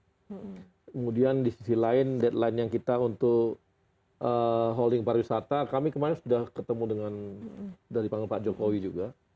kemudian di sisi lain deadline yang kita untuk holding pariwisata kami kemarin sudah ketemu dengan dari panggil pak jokowi juga